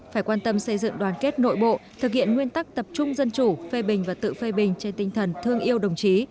phải quan tâm xây dựng đoàn kết nội bộ thực hiện nguyên tắc tập trung dân chủ phê bình và tự phê bình trên tinh thần thương yêu đồng chí